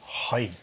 はい。